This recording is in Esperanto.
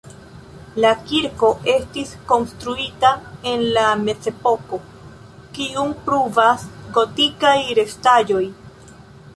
La kirko estis konstruita en la mezepoko, kiun pruvas gotikaj restaĵoj.